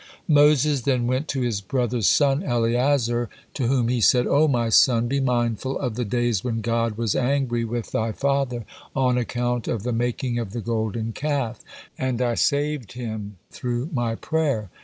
Moses then went to his brother's son, Eleazar, to whom he said: "O my son, be mindful of the days when God was angry with thy father on account of the making of the Golden Calf, and I save him through my prayer.